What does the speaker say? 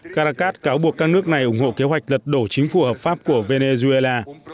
caracas cáo buộc các nước này ủng hộ kế hoạch lật đổ chính phủ hợp pháp của venezuela